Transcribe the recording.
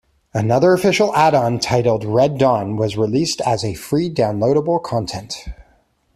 Another official add-on titled Red Dawn was released as a free downloadable content.